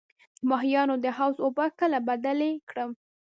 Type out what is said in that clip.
د ماهیانو د حوض اوبه کله بدلې کړم؟